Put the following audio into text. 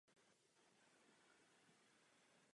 Stezku vytvořili žáci Základní školy Bohumila Hrabala.